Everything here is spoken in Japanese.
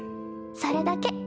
それだけ。